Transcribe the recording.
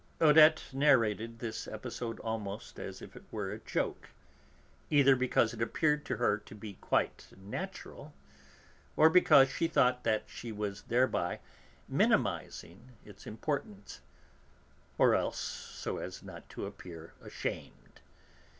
Odette narrated this episode almost as if it were a joke, either because it appeared to her to be quite natural, or because she thought that she was thereby minimising its importance, or else so as not to appear ashamed.